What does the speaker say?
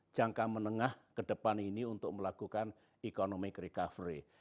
jangka menengah ke depan ini untuk melakukan economic recovery